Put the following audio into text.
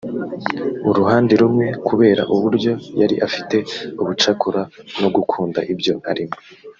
uruhande rumwe kubera uburyo yari afite ubucakura no gukunda ibyo arimo